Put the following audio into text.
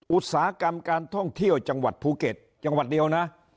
อุตสาหกรรมการท่องเที่ยวจังหวัดภูเก็ตจังหวัดเดียวนะ